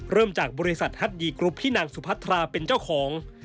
เริ่มจากบริษัทฮัตดีกรุ๊ปที่นางสุพัทราเป็นเจ้าของ